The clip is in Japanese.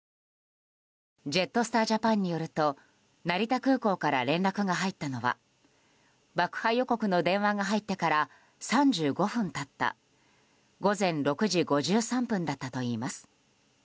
ジェットスター・ジャパンによると成田空港から連絡が入ったのは爆破予告の電話が入ってから３５分経った午前６時５３分だったといいます。